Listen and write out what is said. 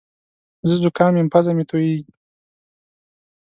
زه زوکام یم پزه مې تویېږې